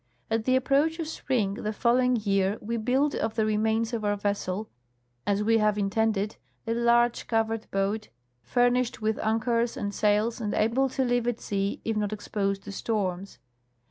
"At the approach of spring the following year we built of the remains of our vessel, as we had intended, a large covered boat, furnished with anchors and sails and able to live at sea if not exposed to storms.